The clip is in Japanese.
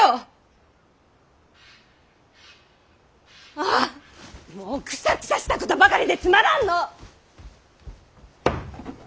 あーもうくさくさしたことばかりでつまらんのぅ。